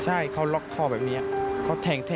ใช่เขาล็อกคอแบบนี้เขาแทง